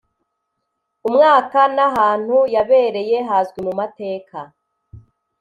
(umwaka) n’ahantu yabereye hazwi mu mateka